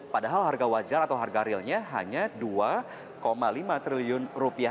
padahal harga wajar atau harga realnya hanya dua lima triliun rupiah